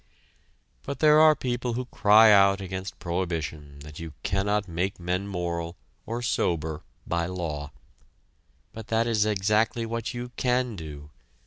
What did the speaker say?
But there are people who cry out against prohibition that you cannot make men moral, or sober, by law. But that is exactly what you can do.